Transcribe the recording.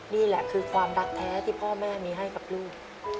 นี่แหละคือความรักแท้ที่พ่อแม่มีให้กับลูก